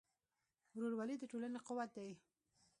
ورورولي د ټولنې قوت دی.